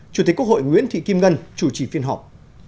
chủ tịch quốc hội nguyễn thị kim ngân chủ trì phiên họp